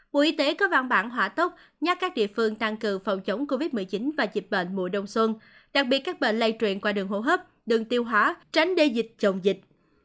bộ y tế có văn bản hỏa tốc nhắc các địa phương tăng cường phòng chống covid một mươi chín và dịch bệnh mùa đông xuân đặc biệt các bệnh lây truyền qua đường hô hấp đường tiêu hóa tránh đê dịch chồng dịch